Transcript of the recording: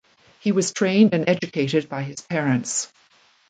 He was trained and educated by his parents.